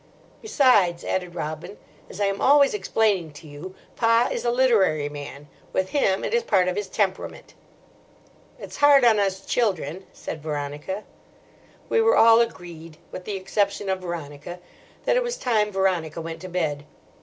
"Besides," added Robin, "as I am always explaining to you, Pa is a literary man. With him it is part of his temperament." "It's hard on us children," said Veronica. We were all agreed—with the exception of Veronica—that it was time Veronica went to bed.